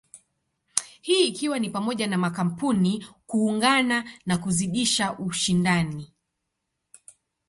Hii ikiwa ni pamoja na makampuni kuungana na kuzidisha ushindani.